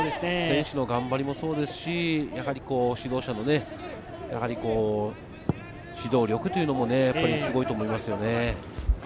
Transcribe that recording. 選手の頑張りもそうですし、指導者の指導力というのもすごいと思いますよね。